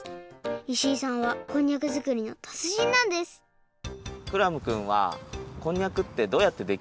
石井さんはこんにゃくづくりのたつじんなんですクラムくんはこんにゃくってどうやってできるとおもいますか？